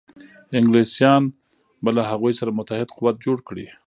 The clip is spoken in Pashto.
انګلیسیان به له هغوی سره متحد قوت جوړ کړي.